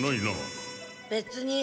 別に。